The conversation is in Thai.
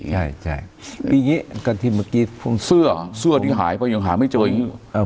ใช่ใช่อย่างงี้กับที่เมื่อกี้เสื้อเสื้อถึงหายไปยังหาไม่เจออีก